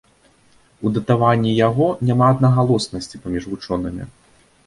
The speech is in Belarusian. У датаванні яго няма аднагалоснасці паміж вучонымі.